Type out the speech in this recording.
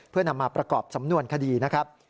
เพื่อนำมาประกอบสำนวนคดีนะครับ